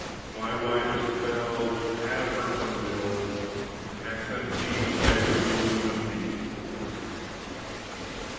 My wife Ilsabill Will have her own will, And hath sent me to beg a boon of thee!